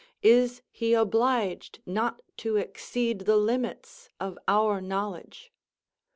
Is he obliged not to exceed the limits of our knowledge?